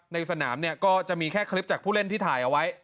ในสนามเนี่ยก็จะมีแค่คลิปจากผู้เล่นที่ถ่ายเอาไว้